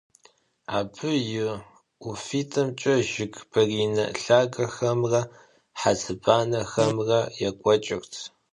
Абы и ӀуфитӀымкӀэ жыг баринэ лъагэхэмрэ хьэцыбанэхэмрэ екӀуэкӀырт.